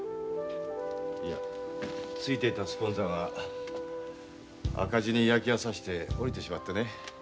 いやついていたスポンサーが赤字に嫌気がさして下りてしまってね。